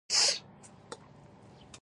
د خپلو خلکو او کلتوري ارزښتونو مخه بدله نکړي.